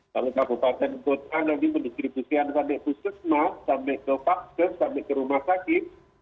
lalu kabupaten kota nanti mendistribusikan rantai khususnya sampai ke vaksin sampai ke rumah sakit